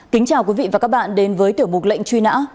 kính chào quý vị và các bạn đến với tiểu mục lệnh truy nã